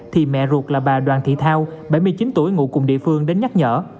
thì mẹ ruột là bà đoàn thị thao bảy mươi chín tuổi ngụ cùng địa phương đến nhắc nhở